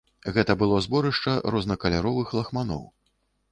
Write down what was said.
Гэта было зборышча рознакаляровых лахманоў.